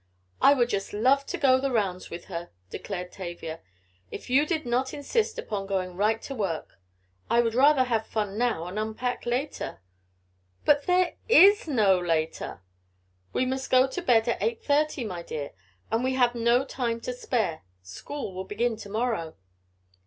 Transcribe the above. "I would just love to go the rounds with her," declared Tavia, "if you did not insist upon going right to work. I would rather have fun now and unpack later." "But there is no later. We must go to bed at eight thirty, my dear, and we have no time to spare. School will begin to morrow."